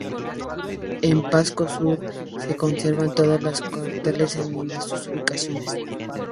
En Pasco Sur, se conservan todos los carteles en todas sus ubicaciones.